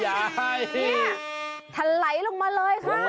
ย้ายค่ะระวังทะไหลลงมาเลยค่ะ